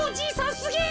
すげえ！